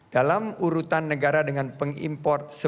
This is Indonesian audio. dalam urutan negara dengan pengimport sebagian besar